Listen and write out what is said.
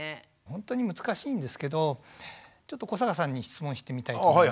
ほんとに難しいんですけどちょっと古坂さんに質問してみたいと思います。